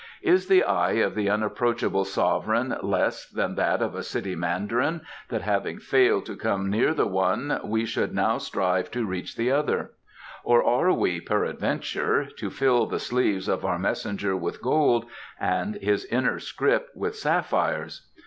"Is the eye of the Unapproachable Sovereign less than that of a city mandarin, that having failed to come near the one we should now strive to reach the other; or are we, peradventure, to fill the sleeves of our messenger with gold and his inner scrip with sapphires!"